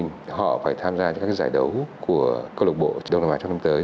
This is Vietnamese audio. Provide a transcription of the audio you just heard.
họ phải tham gia những giải đấu của câu lục bộ đồng thời mạng trong năm tới